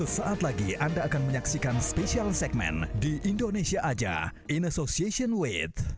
sampai jumpa di video selanjutnya